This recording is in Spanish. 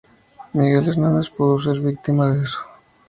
Miguel Hernández pudo ser víctima de eso.